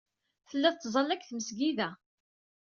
Tella tettẓalla deg tmesgida.